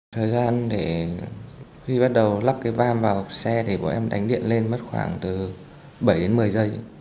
thời gian để khi bắt đầu lắp cái vam vào xe thì bọn em đánh điện lên mất khoảng từ bảy đến một mươi giây